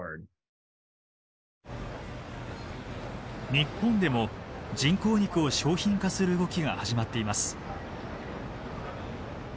日本でも人工肉を商品化する動きが始まっています。